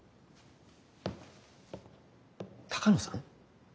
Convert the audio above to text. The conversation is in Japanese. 鷹野さん？